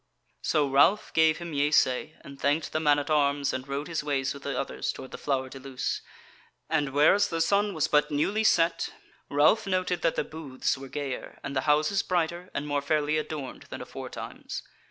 So Ralph gave him yeasay and thanked the man at arms and rode his ways with the others toward the Flower de Luce, and whereas the sun was but newly set, Ralph noted that the booths were gayer and the houses brighter and more fairly adorned than aforetimes.